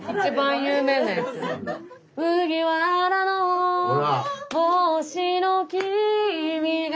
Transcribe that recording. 「麦わらの帽子の君が」